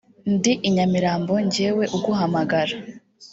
ndi i Nyamirambo njyewe uguhamagara